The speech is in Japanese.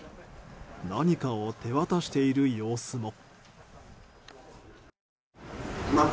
何かを手渡している様子も。